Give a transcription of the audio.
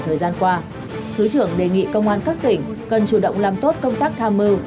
trong tuần qua thứ trưởng nguyễn văn sơn đã đề nghị công an các tỉnh cần chủ động làm tốt công tác tham mưu